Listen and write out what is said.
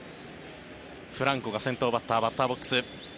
フランコが先頭バッターバッターボックス。